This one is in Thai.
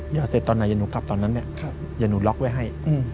เมื่อเสร็จตอนไหนอย่าหนูกลับตอนนั้นอย่าหนูล็อกไว้ให้